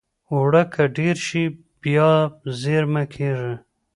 اوړه که ډېر شي، بیا زېرمه کېږي